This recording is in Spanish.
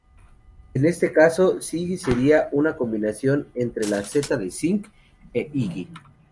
En este caso, Ziggy sería una combinación entre la Z de Zinc e Iggy.